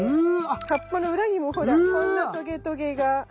葉っぱの裏にもほらこんなトゲトゲが。